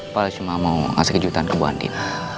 pak rindy cuma mau ngasih kejutan ke bu andien